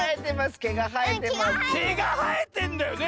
けがはえてんのよね。